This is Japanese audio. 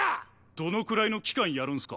どのくらいの期間やるんすか？